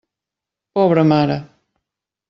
Pobra mare!